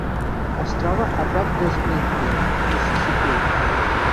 Es troba a prop de Smithville, Mississipí.